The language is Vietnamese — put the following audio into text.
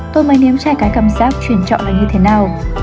tôi mới nếm chai cái cảm giác chuyển chợ là như thế nào